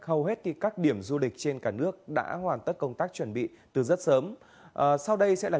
hầu hết các điểm du lịch trên cả nước đã hoàn tất công tác chuẩn bị từ rất sớm sau đây sẽ là